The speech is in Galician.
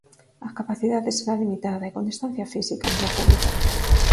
A capacidade será limitada e con distancia física entre o público.